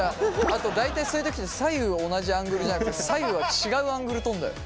あと大体そういう時って左右同じアングルじゃなくて左右は違うアングル撮んだよ。